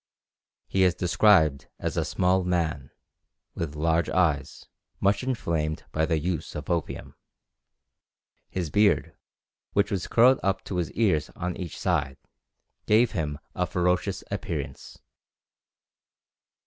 He is described as a small man, with large eyes, much inflamed by the use of opium. His beard, which was curled up to his ears on each side, gave him a ferocious appearance.